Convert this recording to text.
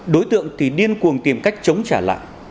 đối tượng thì điên cuồng tìm cách chống trả lại